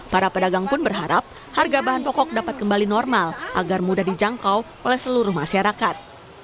para pedagang pun berharap harga bahan pokok dapat kembali normal agar mudah dijangkau oleh seluruh masyarakat